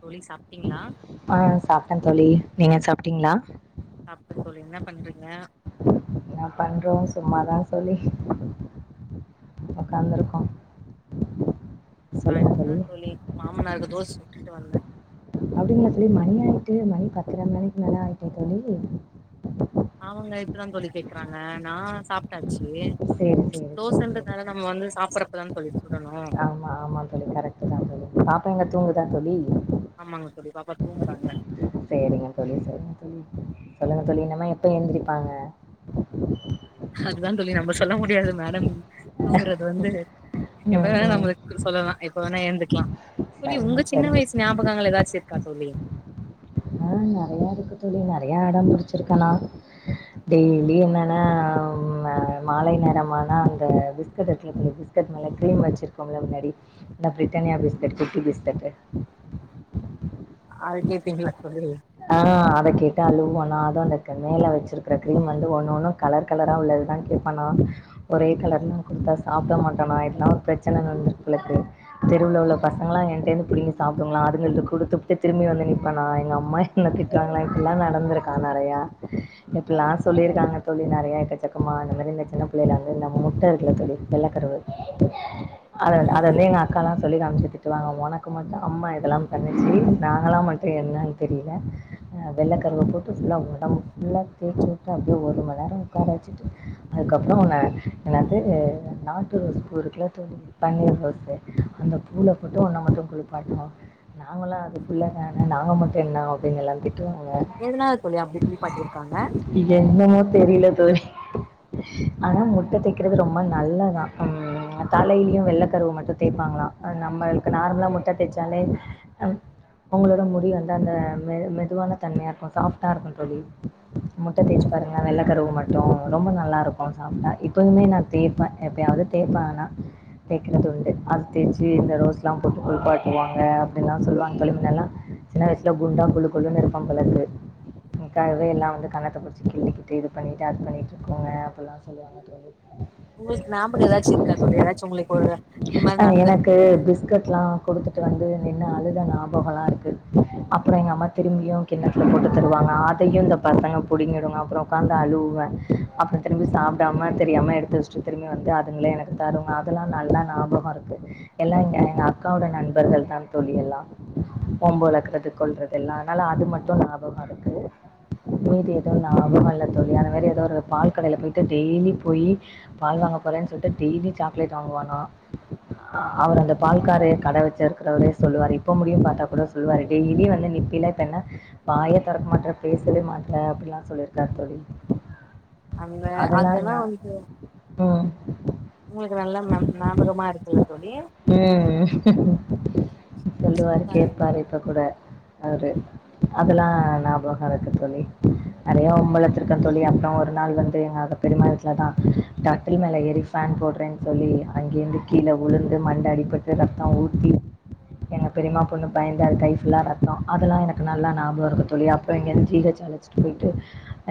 தோழி சாப்ட்டீங்ளா ஆ சாப்ட்டே தோழி நீங்க சாப்ட்டீங்களா சாப்டேன் தோழி என்ன பண்றீங்க என்ன பண்றோ சும்மாதா தோழி உக்காந்துருக்கோ நா இப்டிதா தோழி மாமனாருக்கு தோஸ் சுட்டுட் வந்தே அப்டிங்களா தோழி மணி ஆயிட்டு மணி பத்தர மணிக்கு மேல ஆயிட்டே தோழி ஆமாங்க இப்பதான் தோழி கேக்குறாங்க நா சாப்ட்டாச்சு சேரி சேரி சேரி சேரி தோசன்றதுனால நம்ம வந்து சாப்றப்பதா தோழி சுடணு ஆமா ஆமா தோழி கரெக்ட் தா தோழி பாப்ப எங்க தூங்குதா தோழி ஆமாங்க தோழி பாப்பா தூங்குறாங்க செரிங்க தோழி சரிங்க தோழி சொல்லுங்க தோழி இன்னும்ம எப்ப எந்திரிப்பாங்க அதுதா தோழி நம்ம சொல்ல முடியாது மேடம் தூங்குறது வந்து எப்ப ம் வேணா ம் நம்மளுக்கு சொல்லலாம் இப்ப வேணா ஏந்துக்கலாம் தோழி சரிங்க உங்க சின்ன சரிங்க வயசு ஞாபகங்க ஏதாச்ச இருக்கா தோழி ஆ நெறைய இருக்கு தோழி நெறைய அடம் பிடிச்சிருக்கேனா டெய்லி என்னன்னா மாலை நேரமானா அந்த பிஸ்கட் கிரீம் வச்சிருக்கோ முன்னாடி இந்த பிரிட்டானியா பிஸ்கட் குட்டி பிஸ்கட் அது கேப்பீங்களா தோழி ஆ அத கேட்டு அலுவலா அந்த மேல வச்சிருக்கிற கிரீம் வந்து ஒன்னுன்னும் கலர் கலரா உள்ளதா கேப்பா நா ஒரே கலர் கொடுத்தா சாப்பிட மாட்டனா எதனா பிரச்சனை நடந்திட்டுக் தெருவில் உள்ள பசங்களா எனிட்டே இருந்து பிடிங்கி சாப்பிடுங்களா அதுங்க கொடுத்துப்பட்டு திரும் வந்து நப்ப நா எங்க அம் அம் என்ன திட்டவாங்களா இப்பல்லா நடந்திருக்கா நிறய இப்பல்லா சொல்லிருக்காங்க தோழி நிறய ஏக்கசாக்காமா அந்த மாதிரி இந்த சின்ன பிள்ளைல வந்து முட்டை இருக்கில்ல தோழி வெள்ளக்கருவு அத அ ம் அதெளே எங்க அக்கா சொல்லி காமிச்சிட்சு திட்டுவாங்க உனக்கு மட்டு அம்மா இதெல்லா பண்ணிச்சு நாங்களா மட்டு என்ன தெரியல வெள்ளை கருவை போட்டு புல்லா உடம்பு புல்ல தேச்சுவிட்டு அப்படியே ஒரு மணி நேரம் உக்கார அதுக்கப்புற எனது நாட்டு ரோஸ் பூ இருக்குல பன்னீர் ரோ அந்த பூளை போட்டு உன்னன மட்டு குளிப்பாட்டுவாங்க நாங்களா அது பிள்ள தான நாங்க மட்டு என்ன அப்டினு எல்லா திட் எதனால தோழி அப்டி குளிப்பாட்டிருக்காங்க இ என்னமோ தெரியல தோழி ஆனா முட்டை தைக்கறது ரொம்ப நல்லாதா ம் தலையிலயும் வெள்ளை கருவு மட்டும் தேய்ப்பாங்களா நம்மளுக்கு நார்மலா முட்ட தேய்ச்சாலே ம் அவங்களோட முடி வந்து அந்த மெ மெதுவான தன்மையாக இருக்கும் சாப்டாக இருக்கு தோழி முட்டை தேய்ச்சு பாருங்க வெள்ளை கருவு மட் ரொம்ப நல்லா இருக்கு சாப்பிட்டா இப்பயுமே நா தேய்பேன் எப்பயாவது தேய்ப்பே ஆனா தேய்கது உண்டு அது தேய்ச்சு இந்த ரோஸ் எல்லாம் போட்டு குளிப்பாட்டுவாங்க அப்படின்ல்லா சொல்லுவாங்க தோழி அதெல்லா சின்ன வயசில குண்டா கெழுகெழு இருப்ப போல இருக்கு கவே எல்லா வந்து கணத்தை புடிச்சு கிள்ளிக்கிட்டு இது பண்ணிட்டு அது பண்ணிட்டு இருக்கோங்க அப்படல்லா சொல்லுவாங்க தோழி உங்களுக்கு ஞாபகம் ஏதாச்சு இருக்கா தோழி ஏதாச்சு உங்களுக்கு ஒரு இந்த மாதிரி நடந்துருக்கு கொடுத்துட்டு வந்து நின்னு அளுதா ஞாபகாஎல்லா இருக்கு அப்புற எங்க அம்மா திரும்பியு கிண்ணத்துல போட்டு தருவாங்க அதையும் இந்த பசங்க புடுங்கிடுங்க அப்புறம் உட்காந்து அப்புற திரும்பி சாப்பிடாம தெரியாம எடுத்து வச்ச திரும்பி வந்து அதுங்கள எனக்கு தருங்க அதெல்லா நல்ல ஞாபக இருக்கு எல்லா எங்க அக்காவோட நண்பர்கள் தா தோழி எல்லா வம்பு வளர்க்கறது கொள்கறது எல்லா அதனால் அது மட்டும் லாபமாக இருக்கு உது ஏதோ நா பாக இல்ல தோழி அன வேற ஏதோ ஒரு பால் கடையில போயிட்டு டெய்லி போய் பால் வாங்க போரன் சொல்லட்டு டெய்லி சாக்லேட் வாங்குவானா அவர் அந்த பால்காரே கடை வச்ச இருக்கிறவரே சொல்லுவார் இப்ப முடியு பாத்தா கூட சொல்லுவார் டெய்லி வந்து [unintelligible] திறக்க மாட்ட பேசவே மாட்ட அப்படல்லா சொல்லிருக்கார் தோழி அந்த அதெல்லாம் அதெல்லா நான் வந்து ம் உங்களுக்கு நல்லா ஞாபகமா இருக்கல்ல தோழி சொல்லுவாரு கேட்பாரு இப்ப கூட அரு அதெல்லா ஞாபகா இருக்கு தோழி நிறய வம்பு எழுதிருக்கே தோழி அப்புற ஒரு நாள் வந்து பெருமாவீட்டுல தா கடட்டில் மேல ஏறி பேன் போடுறேு சொல்லி அங்கிருந்து கீழ் உளுர்ந்து மண்ட அடிபட்டு ரத்த ஊத்தி எங்க பெரியமா பொண்ணு பயந் கை புல்லா ரத்த அதெல்லா எனக்கு நல்ல ஞாபம் இருக்க தோழி அப்படி இங்க இருந்து ஜிஹ் அழைச்சட்டு போயிட்டு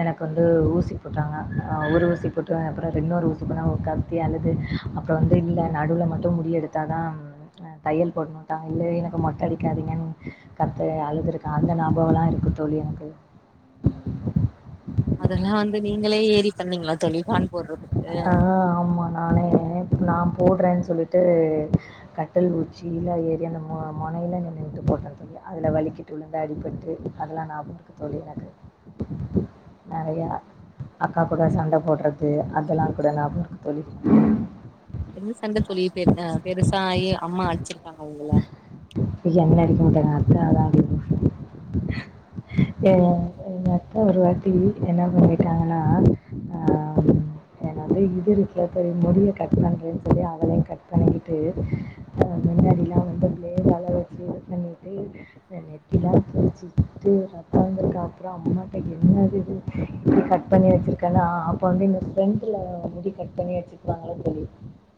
எனக் எனக்கு வந்து ஊசி போட்டாங்க ஒரு ஊசி போட்டு அப்றம் இனொரு ஊசி ஊசி போட்ட கத்தி அழுது அப் அப்புறம் வந்து இல்ல நடுவில் மட்டு முடிெடுத்தா தா தையல் போட்டுயுட்டாங்க உள்ளயே எனக்கு மொட்டை அடிக்க கத்து அழுதுருக்க அந்த ஞாபவ எல்லா இருக்கு தோழ் எனக்கு அதெல்லா வந்து நீங்களே ஏறி பண்ணீங்களா தோழி பேன் போடுறதுக்கு இ நான் போடுறேன்னு சொல்லிவிட்டு கட்டில் ஊச்சிலா ஏறி அந்த முனையில நிண்டு போட்ட தோழி அதுல வலிக்கிட்டு விழுந்து அடிபட்டு அதெல்லா ஞாபகம் இருக்கு தோழ எனக்கு நிறய அக்கா கூட சண்டை போடுறது அதெல்லா கூட ஞாபக இருக்கு தோழி என்ன சண்ட தோழி பெரு அ பெருசாயி அம்மா அடிச்சிருப்பாங்க உங்கள [unintelligible] எங்க அத்த ஒருவாட்டி என்ன பண்ணிட்டாங்கன்னா ஆஹ் ஏன்ன வந்து இ இவரு முடிய கட் பண்றேன்னு சொல்லி அவரே கட் பண்ணிக்கிட்டு முன்னாடி [unintelligible] அதுக்கு அப்புறம் அம்மாகிட்ட என்னது இது முடி கட் பண்ணி வச்சிருக்கேன்ல ஆஹ் அப்ப வந்து இந்த ப்ரெண்ட்ல முடி கட் பண்ணி வச்சுருகாங்கள தோழி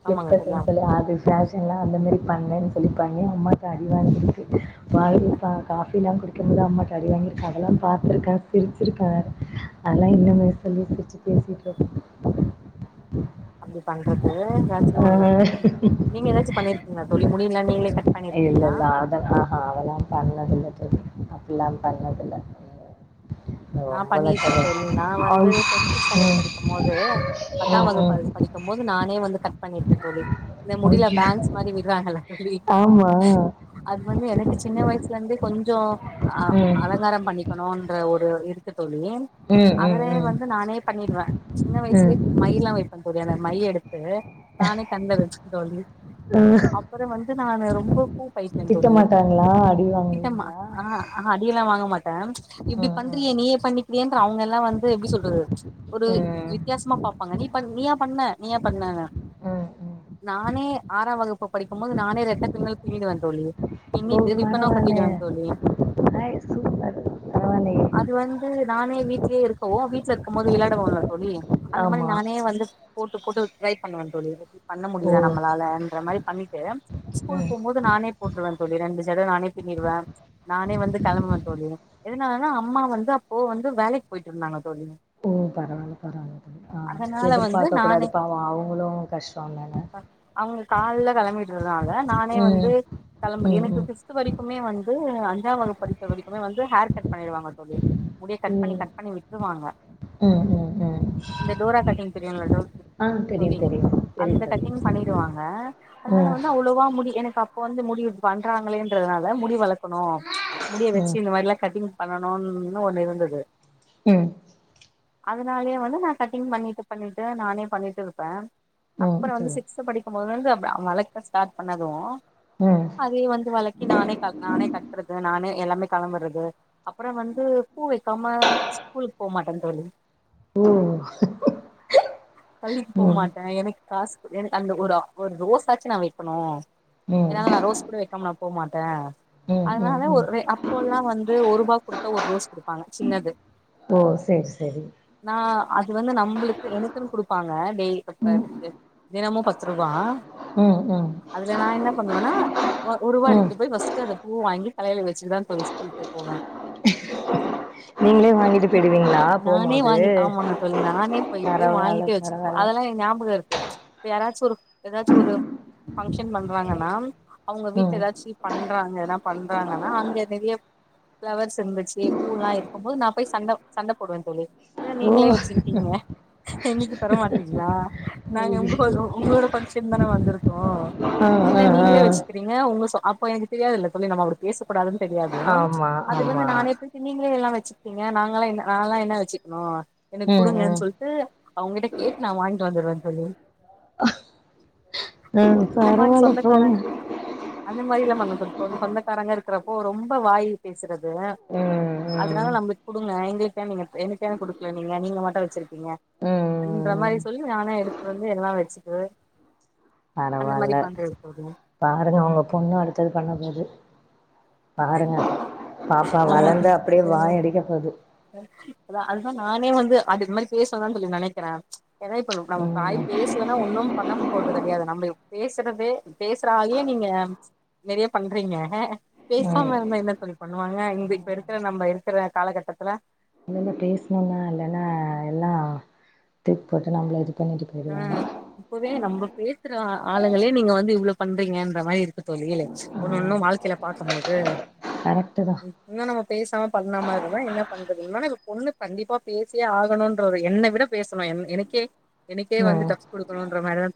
ப்ளீப் ஆமாங்க தோழி கட்டிங் சொல்லி அது ஃபேஷன்னா அந்த மாரி பண்ணேன் சொல்லிப்பாங்க அம்மாட்ட அடி வாங்கியிருக்கு [unintelligible] காஃப்பி எல்லாம் குடிக்கும்போது அம்மாட்ட அடி வாங்கிருக்க அதெல்லாம் பாத்திருக்கே சிரிச்சிருக்கே அதெல்லாம் இன்னமும் சொல்லி சிரிச்சு பேசிட்டு இருப்போம் அப்படி பண்றது ஏதாச்சும் ஒண்ணு உம் நீங்க ஏதாச்சும் பண்ணிருக்கீங்களா தோழி முடியில இல்ல இல்ல அத ஆஹா அதெல்லாம் பண்ணது இல்ல தோழி அப்டில்லாம் பண்ணது இல்ல நா பண்ணிருக்கேன் தோழி நா ஐ வந்து ம் டென்த் ம் ஸ்டண்டர்ட் படிக்கும் போது பத்தாம் வகுப்பு அது ம் படிக்கும் போது கு நானே வந்து கட் பண்ணிருக்கேன் தோழி இந்த முடில பேங்க்ஸ் மாதிரி விடுறாங்க இல்ல தோழி ஆமா அது வந்து எனக்கு சின்ன வயசுல இருந்தே கொஞ்சோ அஹ் ம் அலங்காரம் பண்ணிக்கணுன்ற ஒரு இருக்கு தோழி ம் ம் அதுலே ம் வந்து நானே பண்ணிடுவேன் சின்ன வயசுலயே ம் மை எல்லா வைப்பேன் தோழி அந்த மை எடுத்து நானே கந்த வச்சுக்க தோழி அப்புறம் வந்து நானு ரொம்ப பூ பைத்தியம் திட்ட தோழி மாட்டாங்களா அடி திட்டமா வாங்குவீங்களா ஆஹ் ஆஹ் அடியெல்லாம் வாங்க மாட்டேன் ம் இப்படி ம் பண்றியே நீ பண்ணிக்கிறியேன்ட்டு அவுங்க எல்லாம் வந்து எப்படி சொல்றது ஒரு ம் வித்தியாசமா பாப்பாங்க நீ பன் நீயா பண்ண நீ ஏ பண்ணங்குறாங்க ம் ம் நானே ஆறாம் வகுப்பு படிக்கும் போது நானே ரெட்ட பின்னல் பின்னிடுவேன் தோழி ஓ பிண்ணிட்டு ரிப்பனும் பரவால்ல கட்டிட்டுவேன் தோழி ஹாய் சூப்பர் பரவால்லயே அது வந்து து நானே வீட்லயே இருக்கவும் வீட்டுல இருக்கும் போது விளையாடவோம் ல தோழி அந்த மாரி ஆமா நானே வந்து போட்டு போட்டு ட்ரை பண்ணுவேன் தோழி பண்ண ஓ முடியுதா நம்மளால என்ற மாதிரி பண்ணிட்டு ஸ்கூல் ம் போகும் போது நானே போட்டுருவேன் தோழி ரெண்டு ஜட நானே பிண்ணி ருவேன் நானே வந்து கிளம்புவேன் தோழி எதனாலனா அம்மா வந்து அப்போ வந்து வேலைக்கு போயிட்டு இருந்தாங்க சொல்லுங்க உம் பரவா இல்ல பரவா இல்ல பரவா இல்ல ஆஹ் வந்து எதிர்பாக்க நானே கூடாது பாவம் அவுங்களும் கஷ்டோ இல்லல அவுங்க கால்ல கிளம்பிடுறதுனால நானே வந்து ம் கிளம்ப ம் எனக்கு ம் ஃபிஃப்த் வரைக்குமே வந்து அஞ்சாம் வகுப்பு படிக்குற வரைக்குமே வந்து ஹேர் கட் பண்ணிடுவாங்க தோழி முடிய கட் பண்ணி ம் கட் பண்ணி விட்டுருவாங்க ம் ம் ம் இந்த டோரா கட்டிங் தெரியுல டோரா ஆ தெரியு தோழி தெரியு தெரியு அந்த தோழி கட்டிங் பண்ணிருவாங்க அதனால ம் வந்து அவ்ளோவா முடி எனக்கு அப் அப்போ வந்து முடிய பண்றாங்களே என்றதுனால முடி வளர்க்கணும் முடிய ம் வெச்சு இந்த மாரி எல்லாம் கட்டிங் பண்ணணுன்னு ஒண்ணு இருந்தது உம் அதனாலயே வந்து நான் கட்டிங் பண்ணிட்டு பண்ணிட்டு நானே பண்ணிட்டு இருப்பேன் ம் அப்புறம் வந்து சொல்லுங்க. சிக்ஸ்த் படிக்கும் போதுல இருந்து அப் அ வளக்க ஸ்டார்ட் பண்ணதும் ம் அதே வந்து வழக்கி நானே க நானே கட்டுறது நானே எல்லாமே கிளம்புறது அப்புறம் வந்து பூ வைக்காம ஸ்கூலுக்கு போமாட்டே தோழி ஓ பள்ளிக்கு போ ம் மாட்டேன் எனக்கு காசு எனக்கு அந்த ஒரு ஒரு ரோஸ்சாச்சும் நா வைக்கணும் ம் என்னால நா ரோஸ் கூட வைக்காம நா போ மாட்டேன் ம் ம் அதனால ம் ஒரு அப்போ எல்லாம் வந்து ஒரு ரூபாய் குடுத்தா ஒரு ரோஸ் குடுத் ப்பாங்க சின்னது ஓ சேரி சேரி நா அது வந்து நம்பளுக்கு எனக்குன் குடுப்பாங்க டெய்லி ம் பத் தினமு பத் ரூவா ம் ம் அதுல நா என்ன பண்ணுவன்னா ஒரு ஒருவா ம் எடுத்துட்டு போய் ஃபர்ஸ்ட் அத பூ வாங்கி தலையில வச்சுட்டுதா தோழி ஸ்கூலுக்கே போவ நீங்களே வாங்கிட்டு போயிடுவீங்களா நானே போம்போது வாங்கி ஆமாங்க தோழி நானே போயிட்டு பரவால்ல வாங்கிட்டு வச்சுட்டு போ அ பரவால்ல அதெல்லா என் ஞாபகம் இருக்கு இப்ப யாராச்சு ஒரு ஏதாச்சு ஒரு ஃபங்ஷன் பண்றாங்கன்னா அவுங்க வீட்ல ம் ஏதாச்சி பண்றாங்கன்னா பண்றாங்கன்னா அங்க நெறைய ஃபிளவர்ஸ் இருந்துச்சி பூல்லா இருக்கும் போது நான் போய் சண்ட சண்ட போடுவ தோழி என்ன ஓ நீங்களே வச்சிருக்கீங்க எங்கள்க்கு தரமாட்டீங்ளா நாங்க உங்க உங்களோட ஃபங்ஷ ன் தான வந்திருகோ ஆ ஆ என்ன ஆ நீங்களே வச்சுகிறீங்க உங்க சொந் அப்போ எனக்கு தெரியாதுல்ல தோழி நம்ம அப்டி பேசக்கூடாதுன்னு தெரியாது ஆமா அது வந்து ஆமா நானே நீங்களே எல்லா வச்சுருக்கீங்க நாங்களா என்ன நால்லா என்ன வச்சுக்ணு எனக் ம் குடுங்கன் ம் சொல்ட்டு அவுங் கிட்ட கேட்டு நா வாங்ட்டு வந்துருவேன் தோழி ம் இந்த மாரி பரவால்ல சொந்தக்காரன் போங்க அந்த மாரில்லா பண் சொ சொந்தக்காரங்க இருக்குறப்போ ரொம்ப வாயி பேசுறது ம் ம் அதனால நம்பளுக் குடுங்க எங்களுக் ஏன் நீங்க எனக்கு ஏன் குடுக்கல நீங்க நீங்க மட்டு வச்சிருக்கீங்க அந்த ம் மாரி சொல்லி நானே எடுத்துட்டு வந்து எங்கனா வச்சுக் பரவால்ல பாருங்க உங்க பொண்ணு அடுத்து அது பண்ண போது பாருங்க பாப்பா ஆமா வளந்து அப்டியே சிஸ்டர் வாய் அடிக்க போது அதா அதுதா நானே வந்து அது இது மாரி பேசுவான் சொல்லி நெனக்கிற ஏன்னா இப்ப நம்ம வாய் ம் பேசலன்னா ஒன்னும் பண்ண போறது கெடையாது நம்ப பேசுறதே பேசுற ஆலையே நீங்க நெறைய பண்றீங்க ம் பேசாம இருந்தா என்ன தோழி பண்ணுவாங்க இங்க இப்ப இருக்கிற நம்ப இருக்கிற காலகட்டத்துல இனிமே பேஸ்ணுனா இல்லன்னா எல்லா தூக்கிப் போட்டு நம்மள இது பண்ணிட்டு ஆ போயிடுவாங்க இப்பவே நம்ப பேசுறோ ஆ ஆளுங்களே நீங்க வந்து இவ்ளோ பண்றீங்கன்ற மாரி இருக்கு தோழி ஒன்னு ம் ஒன்னு வாழ்க்கையில பாக்கும் போது கரெக்ட்டு தா இன்னு நம்ம பேசாம பண்ணாம இருந்தா என்ன பண்றது ஆனா பொண்ணு கண்டிப்பா பேசியே ஆகணுன்ற ஒரு என்ன விட பேசணு என் எனக்கே எனக்கே வந்து ம் டஃப் குடுக்கனுன்ற மாரி தா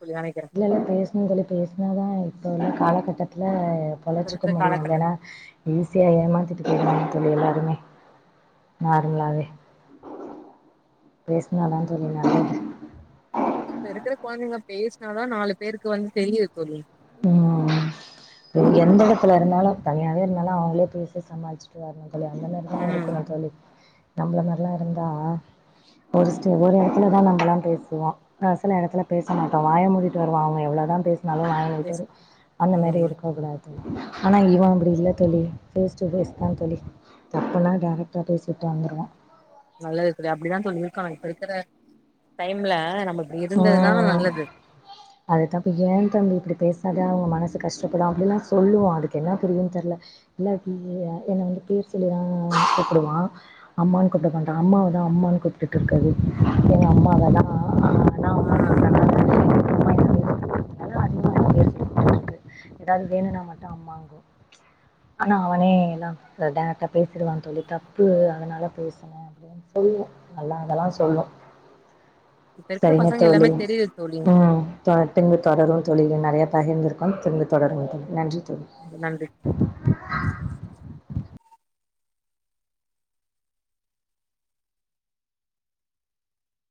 இல்ல இல்ல பேசணு தோழி பேசுனாதா இப்ப உள்ள காலகட்டத்துல இப்ப பொழச்சுக்க இருக்கிற முடியு காலகட்ட இல்லேன்னா ஈஸியா ஏமாத்திட்டு போயிருவாங்க தோழி எல்லா மே நார்மலாவே பேசுனாதா தோழி நல்லது இப்ப இருக்குற கொழந்தைங்க பேசுனாதா நாலு பேருக்கு வந்து தெரியது தோழி ம் எந்த இடத்துல இருந்தாலு தனியாவே இருந்தாலு அவுங்ளே பேசி சமாளிச்சுட்டு வரணு தோழி அந்த மாரிதா ம் இருக்கணு தோழி நம்பள மார்ல்லா இருந்தா ஃபஸ்ட்டு ஒரு எடத்துலதா நம்பளா பேசுவோ ஒரு சில எடத்துல பேச மாட்டோ வாய மூடிட்டு வருவோ அவுங்க எவ்ளோதா பேசு நல்லா வாய மூடிட்டு பேசு வருவ அந்த மாரி ஆமா இருக்கூ போக்கூடாது தோழி ஆனா இவ அப்டி இல்ல தோழி ஃபேஸ் டு ஃபேஸ் தான் தோழி தப்புனா டேரக்ட்டா பேசிட்டு வந்துருவான் நல்லது தோழி அப்டிதா தோழி இருக்கனு இப்ப இருக்கிற டைம்ல நமக்கு இருந்தது தான வந்துடுவான் நல்லது அது தப்பு ஏன் தம்பி இப்டி பேசாத அவுங்க மனசு கஷ்டப்படும் அப்டில்லா சொல்லுவோ அதுக்கு என்ன புரியுன் தெர்ல இல்லாட்டி என்ன வந்து பேர் சொல்லி தான் கூப்டுவா அம்மான் கூப்ட மாட்டா அம்மாவதா அம்மான் கூப்டுட்டு இருக்கு அது எங்க அம்மாவ தா ஆ ஏதாவ்து வேணுனா மட்டு அம்மாங்கு ஆனா அவனே எல்லா டேரக்டா பேசிடுவா தோழி தப்பு அதனால பேசுன அப்டின் சொல்லி ம் நல்லா அதெல்லா சொல்லு இப்ப இருக்கிற பசங்க எல்லாமே தெரியுது தோழி ம் த திரும்ப தொடருவோ தோழி நறையா பகிர்ந்துருக்கோம் திரும்ப தொடருவோ தோழி நன்றி தோழி நன்றி